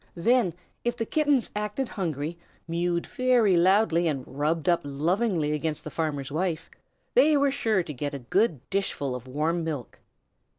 Then if the Kittens acted hungry, mewed very loudly, and rubbed up lovingly against the farmer's wife they were sure to get a good, dishful of warm milk.